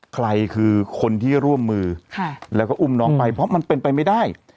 ใครคือคนที่ร่วมมือแล้วก็อุ้มน้องไปเพราะมันเป็นไปไม่ได้